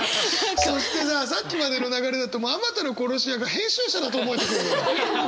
そしてささっきまでの流れだともう「数多の殺し屋」が編集者だと思えてくる。